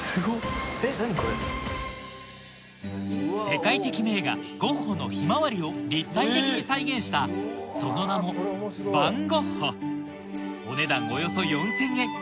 世界的名画ゴッホの『ひまわり』を立体的に再現したその名も「ヴァン・ゴッホ」お値段およそ４０００円